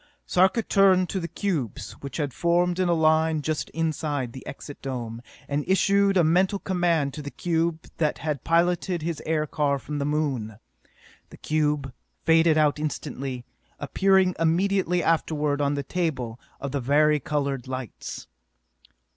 Sarka turned to the cubes, which had formed in a line just inside the Exit Dome, and issued a mental command to the cube that had piloted his aircar from the Moon. The cube faded out instantly, appearing immediately afterward on the table of the vari colored lights.